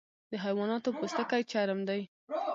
د حیواناتو پوستکی چرم دی